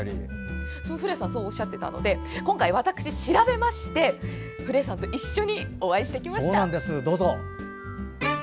古谷さんそうおっしゃっていたので今回私調べまして古谷さんと一緒にお会いしてきました。